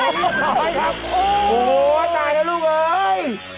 โอ้โฮพร้อยครับโอ้โฮตายแล้วลูกเอ๋ย